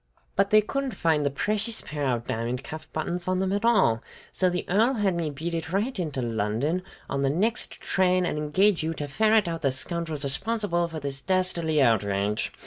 "But they couldn't find the precious pair of diamond cuff buttons on them at all; so the Earl had me beat it right into London on the next train, and engage you to ferret out the scoundrels responsible for this dastardly outrage!